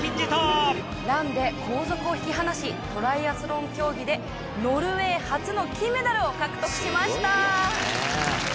ランで後続を引き離しトライアスロン競技でノルウェー初の金メダルを獲得しました！